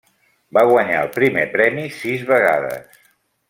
Va guanyar el primer premi sis vegades.